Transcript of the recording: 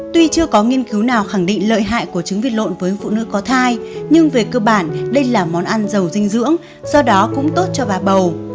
tuy chưa có nghiên cứu nào khẳng định lợi hại của trứng vịt lộn với phụ nữ có thai nhưng về cơ bản đây là món ăn giàu dinh dưỡng do đó cũng tốt cho bà bầu